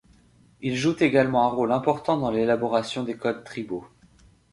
Ils jouent également un rôle important dans l'élaboration des codes tribaux.